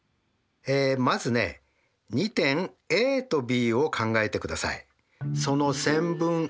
まずね２点ＡとＢを考えてください。